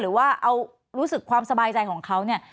หรือว่าเอารู้สึกความสบายใจของเขาเนี่ย